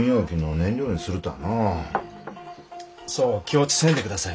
そう気落ちせんでください